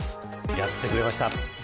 やってくれました。